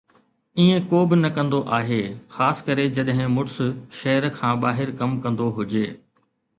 ائين ڪو به نه ڪندو آهي، خاص ڪري جڏهن مڙس شهر کان ٻاهر ڪم ڪندو هجي